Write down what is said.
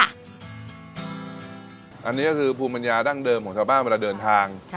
อันนี้ก็คือภูมิปัญญาดั้งเดิมของชาวบ้านเวลาเดินทาง